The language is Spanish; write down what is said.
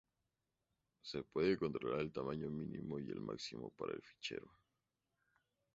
Se puede controlar el tamaño mínimo y el máximo para el fichero.